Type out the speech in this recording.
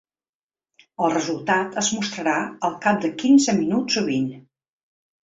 El resultat es mostrarà al cap de quinze minuts o vint.